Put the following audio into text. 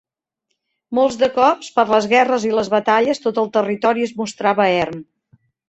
Molts de cops, per les guerres i les batalles, tot el territori es mostrava erm.